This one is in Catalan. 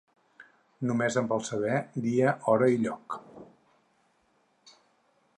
Només en vol saber dia, hora i lloc.